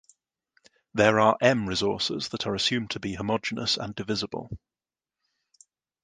There are "m" resources that are assumed to be "homogeneous" and "divisible".